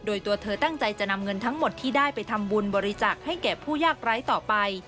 โดยตัวเธอตั้งใจจะนำเงินทั้งหมดที่ได้ไปทำบุญบริจาคให้แก่ผู้ยากไร้ต่อไป